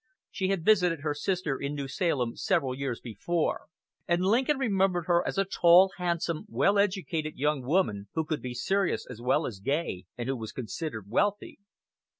She had visited her sister in New Salem several years before, and Lincoln remembered her as a tall, handsome, well educated young woman, who could be serious as well as gay, and who was considered wealthy.